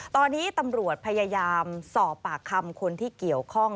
ตอนนี้ตำรวจพยายามสอบปากคำคนที่เกี่ยวข้อง